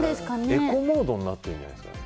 エコモードになってるんじゃないですか？